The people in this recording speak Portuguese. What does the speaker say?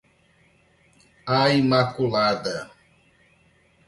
A imaculada